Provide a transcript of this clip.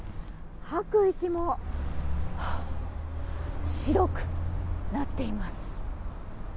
吐く息も白くなっています。